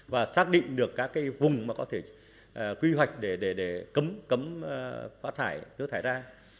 và xác định được các vùng mà có thể quy hoạch để cấm phá thải nước thải ra